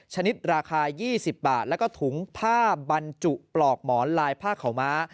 ชนิดราคา๒๐บาทแล้วก็ถุงผ้าบรรจุปลอกหมอนลายผ้าขาวม้า